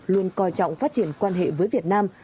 luôn coi trọng phát triển quan hệ với việt nam